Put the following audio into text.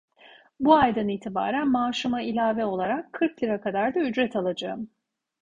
Bu aydan itibaren maaşıma ilave olarak kırk lira kadar da ücret alacağım…